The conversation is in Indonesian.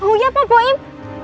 oh iya pak buim